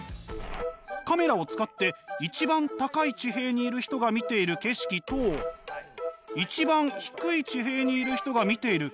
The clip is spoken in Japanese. カメラを使って一番高い地平にいる人が見ている景色と一番低い地平にいる人が見ている景色